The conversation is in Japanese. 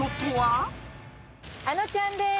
あのちゃんです。